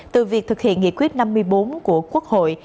từ việc thực hiện nghị quyết năm mươi bốn của quốc hội